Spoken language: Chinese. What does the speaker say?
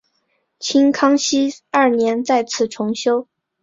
清康熙二年再次重修。